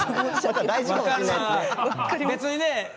別にね